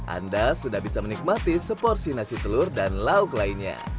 anda sudah bisa menikmati seporsi nasi telur dan lauk lainnya